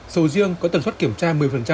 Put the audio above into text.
sầu riêng có tần suất kiểm tra một mươi